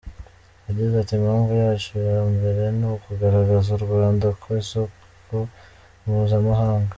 Yagize ati “Impamvu yacu ya mbere ni ukugaragaza u Rwanda ku isoko mpuzamahanga.